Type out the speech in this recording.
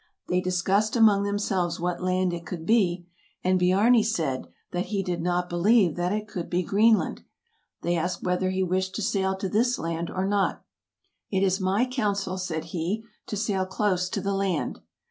They discussed among themselves what land it could be, and 8 TRAVELERS AND EXPLORERS Biarni said that he did not believe that it could be Green land. They asked whether he wished to sail to this land or not. " It is my counsel " [said he] " to sail close to the land."